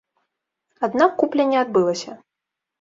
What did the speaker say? Аднак купля не адбылася.